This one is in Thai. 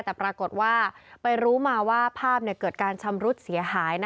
แต่ปรากฏว่าไปรู้มาว่าภาพเกิดการชำรุดเสียหาย